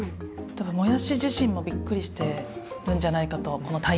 多分もやし自身もびっくりしてるんじゃないかとこの大役に。